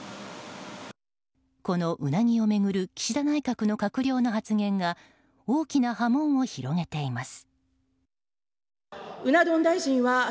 このウナギを巡る岸田内閣の閣僚の発言が大きな波紋を広げています。